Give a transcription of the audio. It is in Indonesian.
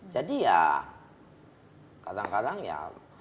jadi ya kadang kadang ya